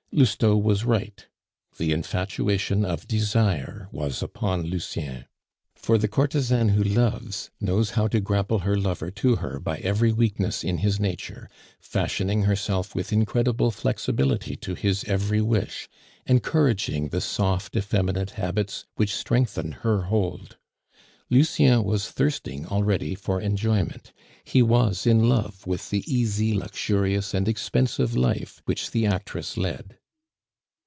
Lousteau was right. The infatuation of desire was upon Lucien; for the courtesan who loves knows how to grapple her lover to her by every weakness in his nature, fashioning herself with incredible flexibility to his every wish, encouraging the soft, effeminate habits which strengthen her hold. Lucien was thirsting already for enjoyment; he was in love with the easy, luxurious, and expensive life which the actress led.